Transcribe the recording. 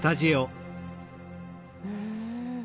うん。